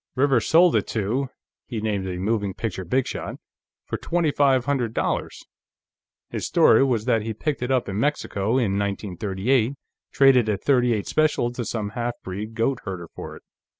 "Rivers sold it to," he named a moving picture bigshot "for twenty five hundred dollars. His story was that he picked it up in Mexico, in 1938; traded a .38 special to some halfbreed goat herder for it."